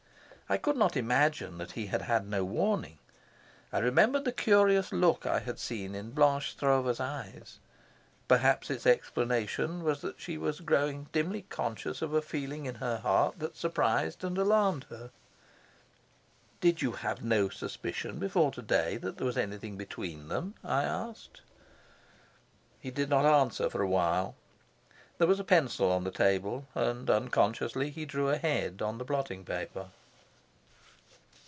I could not imagine that he had had no warning. I remembered the curious look I had seen in Blanche Stroeve's eyes; perhaps its explanation was that she was growing dimly conscious of a feeling in her heart that surprised and alarmed her. "Did you have no suspicion before to day that there was anything between them?" I asked. He did not answer for a while. There was a pencil on the table, and unconsciously he drew a head on the blotting paper.